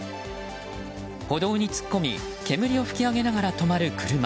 歩道に突っ込み煙を噴き上げながら止まる車。